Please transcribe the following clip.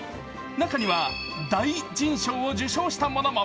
中には、大臣賞を受賞したものも。